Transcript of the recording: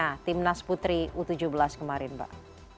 nah tim nas putri u tujuh belas kemarin mbak